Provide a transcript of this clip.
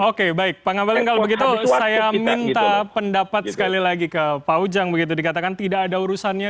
oke baik pak ngabalin kalau begitu saya minta pendapat sekali lagi ke pak ujang begitu dikatakan tidak ada urusannya